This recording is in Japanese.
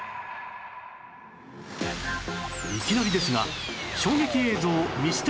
いきなりですが